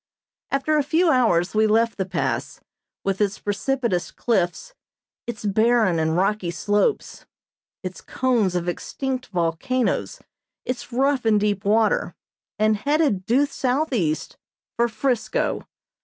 After a few hours we left the Pass, with its precipitous cliffs, its barren and rocky slopes, its cones of extinct volcanoes, its rough and deep water, and headed due southeast for "Frisco."